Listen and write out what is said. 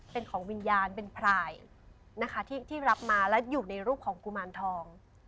เป็นของวิญญาณเป็นพรายนะคะที่รับมาแล้วอยู่ในรูปของกุมารทอง